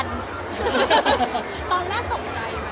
ตอนแรกตกใจไหม